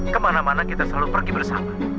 kemana mana kita selalu pergi bersama